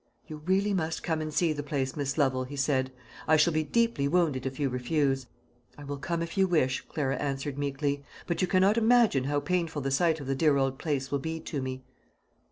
"You really must come and see the place, Miss Lovel," he said. "I shall be deeply wounded if you refuse." "I will come if you wish it," Clarissa answered meekly; "but you cannot imagine how painful the sight of the dear old house will be to me."